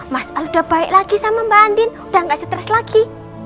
mas udah baik lagi sama mbak andin udah gak stres lagi